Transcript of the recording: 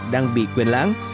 đang bị quyền lãng